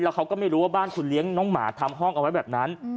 เขาก็ไม่รู้ว่าบ้านคุณเลี้ยงน้องหมาทำห้องเอาไว้แบบนั้น